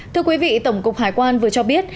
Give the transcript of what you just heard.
thưa quý vị tổng cục hải quan vừa cho biết